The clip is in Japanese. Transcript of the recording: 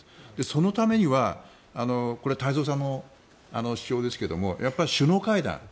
そのためにはこれは太蔵さんの主張ですがやっぱり首脳会談。